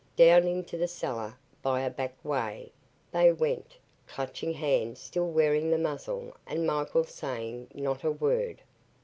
Down into the cellar, by a back way, they went, Clutching Hand still wearing his muzzle and Michael saying not a word.